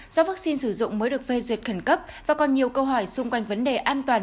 do vaccine sử dụng mới được phê duyệt khẩn cấp và còn nhiều câu hỏi xung quanh vấn đề an toàn